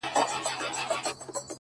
د ژوند يې يو قدم سو؛ شپه خوره سوه خدايه؛